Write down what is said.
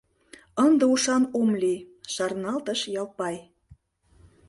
Ынде ушан ом лий», — шарналтыш Ялпай.